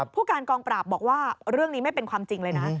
ผู้การกองปราบบอกว่าเรื่องนี้ไม่เป็นความจริงเลยนะ